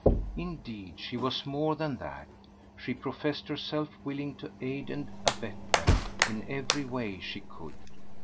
Indeed, she was more than that. She professed herself willing to aid and abet them in every way she could.